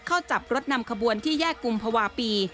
เข้าจับรถนำขบวนที่แยกกุมภาวะปี